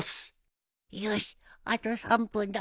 よしあと３分だ